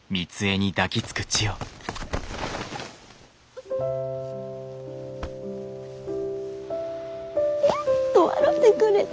やっと笑てくれた。